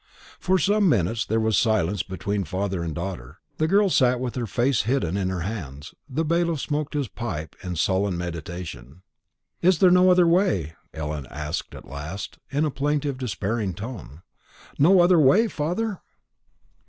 For some minutes there was silence between father and daughter. The girl sat with her face hidden in her hands; the bailiff smoked his pipe in sullen meditation. "Is there no other way?" Ellen asked at last, in a plaintive despairing tone; "no other way, father?"